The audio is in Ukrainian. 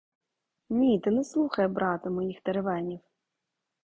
Ні, ти не слухай, брате, моїх теревенів!